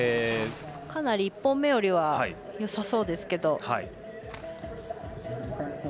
かなり１本目よりはよさそうですけど。